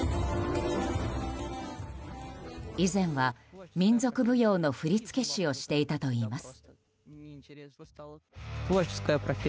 以前は民族舞踊の振付師をしていたといいます。